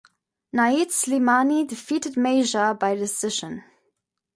Nait Slimani defeated Mejia by decision.